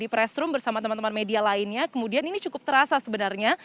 di pressroom bersama teman teman media lainnya kemudian ini cukup terasa sebenarnya